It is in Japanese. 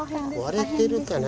割れてるかな。